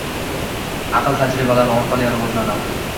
Aql tajribalar orqali rivojlanadi.